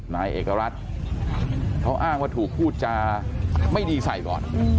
นายเอกรัฐเขาอ้างว่าถูกพูดจาไม่ดีใส่ก่อน